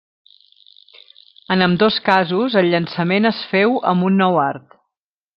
En ambdós casos, el llançament es féu amb un nou art.